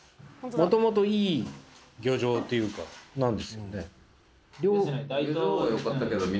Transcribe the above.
もともといい漁場というかなんですよね？